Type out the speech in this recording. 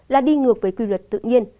là đi ngược với quy luật tự nhiên